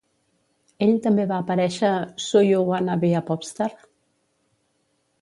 Ell també va aparèixer a "So You Wanna be a Popstar?"